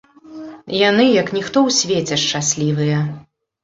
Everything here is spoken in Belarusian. Яны, як ніхто ў свеце, шчаслівыя.